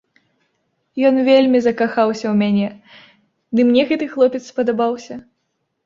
Ён вельмі закахаўся ў мяне, дый мне гэты хлопец спадабаўся.